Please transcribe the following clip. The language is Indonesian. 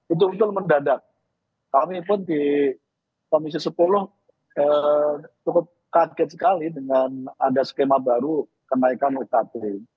betul betul mendadak kami pun di komisi sepuluh cukup kaget sekali dengan ada skema baru kenaikan ukt